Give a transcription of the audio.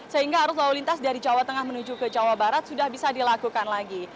sehingga arus lalu lintas dari jawa tengah menuju ke jawa barat sudah bisa dilakukan lagi